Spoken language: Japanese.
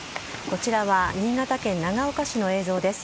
こちらは新潟県長岡市の映像です。